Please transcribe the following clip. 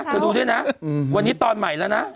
เธอดูด้วยนะวันนี้ตอนใหม่แล้วนะ